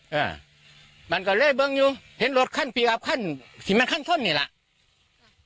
อ่ามันก็เลยเบิ้งอยู่เห็นรถขั้นปีอับขั้นที่มันขั้นนี่แหละ